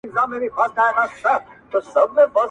لا صوفي له پښو څپلۍ نه وې ایستلې،